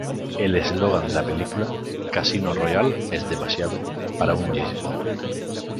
El eslogan de la película: "Casino Royale es demasiado... para un James Bond!